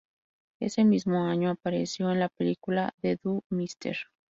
Ese mismo año apareció en la película The Two Mr.